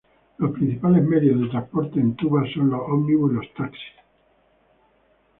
Los principales medios de transporte en Tubas son los ómnibus y los taxis.